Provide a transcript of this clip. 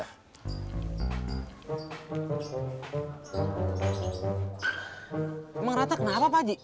memang rata kenapa pak haji